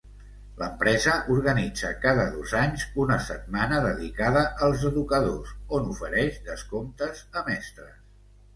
L'empresa organitza cada dos anys una setmana dedicada als educadors, on ofereix descomptes a mestres.